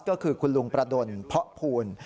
ก็คือคุณลุงประดนพพูน